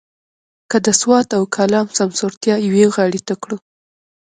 که د سوات او کالام سمسورتیا یوې غاړې ته کړو.